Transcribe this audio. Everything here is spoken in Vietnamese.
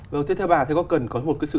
vâng thế theo bà thì có cần có một cái sự